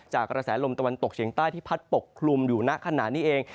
จากอะไรแสลลมตะวันตกเชียงใต้ที่พัดปวลลุมอยู่หน้าขนาดนี้เอง